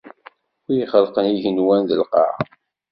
Win ixelqen igenwan d lqaɛa.